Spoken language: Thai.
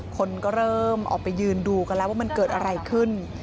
คนก็เริ่มออกไปยืนดูกันแล้วว่ามันเกิดอะไรขึ้น